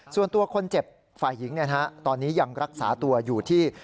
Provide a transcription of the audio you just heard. ส่วนตัวคนเจ็บฝ่ายหญิงตอนนี้ยังรักษาตัวอยู่ที่